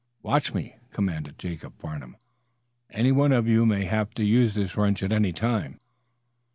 "Watch me," commanded Jacob Farnum. "Any one of you may have to use this wrench at any time."